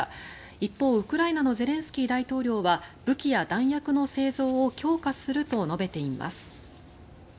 一方、ウクライナのゼレンスキー大統領は武器や弾薬の製造を強化すると述べています。